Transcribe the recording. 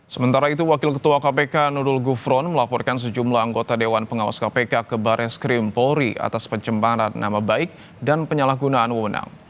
sementara itu wakil ketua kpk nurul gufron melaporkan sejumlah anggota dewan pengawas kpk ke baris krim polri atas pencembaran nama baik dan penyalahgunaan wewenang